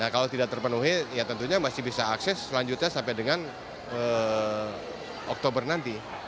kalau tidak terpenuhi ya tentunya masih bisa akses selanjutnya sampai dengan oktober nanti